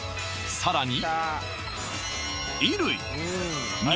さらに